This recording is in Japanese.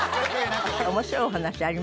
面白いお話あります？